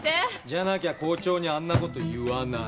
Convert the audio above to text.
じゃなきゃ校長にあんな事言わない。